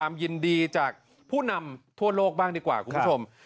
ยินดีจากผู้นำทั่วโลกบ้างดีกว่าคุณผู้ชม